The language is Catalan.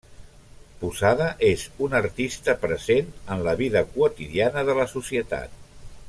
Posada és un artista present en la vida quotidiana de la societat.